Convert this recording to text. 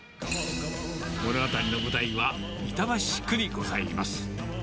物語の舞台は、板橋区にございます。